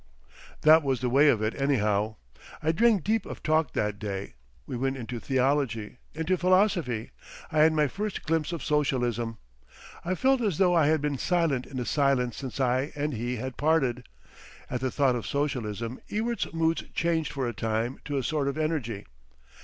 That was the way of it, anyhow. I drank deep of talk that day; we went into theology, into philosophy; I had my first glimpse of socialism. I felt as though I had been silent in a silence since I and he had parted. At the thought of socialism Ewart's moods changed for a time to a sort of energy.